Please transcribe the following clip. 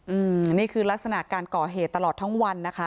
อืมนี่คือลักษณะการก่อเหตุตลอดทั้งวันนะคะ